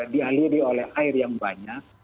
dialiri oleh air yang banyak